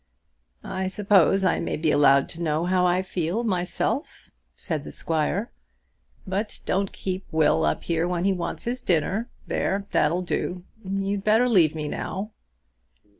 "I suppose I may be allowed to know how I feel myself," said the squire. "But don't keep Will up here when he wants his dinner. There; that'll do. You'd better leave me now."